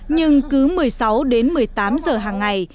nhưng cứ một mươi sáu đến một mươi tám giờ hàng ngày